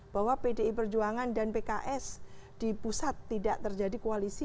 bahwa pdi perjuangan dan pks di pusat tidak terjadi koalisi